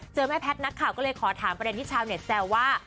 แม่แพทย์นักข่าวก็เลยขอถามประเด็นที่ชาวเน็ตแซวว่า